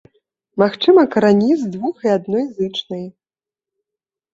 Магчымы карані з двух і адной зычнай.